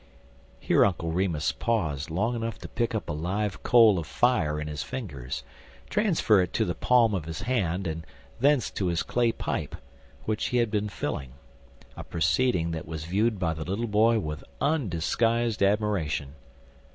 Here Uncle Remus paused long enough to pick up a live coal of fire in his fingers, transfer it to the palm of his hand, and thence to his clay pipe, which he had been filling a proceeding that was viewed by the little boy with undisguised admiration.